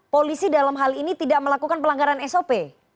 polisi dalam hal ini tidak melakukan pelanggaran sop